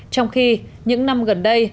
trong khi những năm gần đây